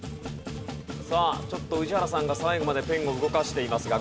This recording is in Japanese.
さあちょっと宇治原さんが最後までペンを動かしていますが。